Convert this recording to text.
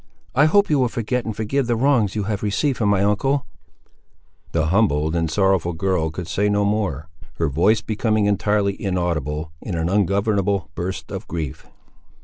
I hope you will forget and forgive the wrongs you have received from my uncle—" The humbled and sorrowful girl could say no more, her voice becoming entirely inaudible in an ungovernable burst of grief.